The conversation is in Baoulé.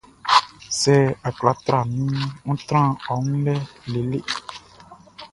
Sɛ a kwla tra minʼn, ń trán ɔ wun lɛ lele.